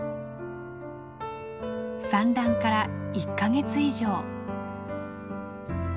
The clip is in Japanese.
産卵から１か月以上。